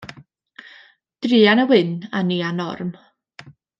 Druan â Wyn a Nia Norm.